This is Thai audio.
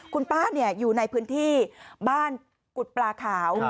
คุณป้าอยู่ในพื้นที่บ้านกุฎปลาขาว